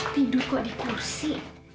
tidur kok di kursi